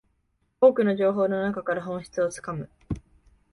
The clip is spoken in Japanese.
多くの情報の中から本質をつかむ